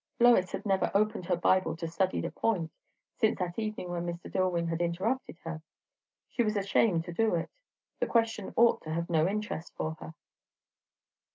Lois had never opened her Bible to study the point, since that evening when Mr. Dillwyn had interrupted her. She was ashamed to do it. The question ought to have no interest for her.